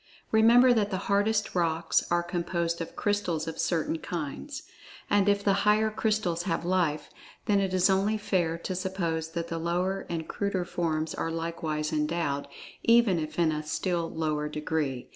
Remember, that the hardest rocks are composed of crystals of certain kinds. And, if the higher crystals have Life, then it is only fair to suppose that the lower and cruder forms are likewise endowed, even if in a still lower degree.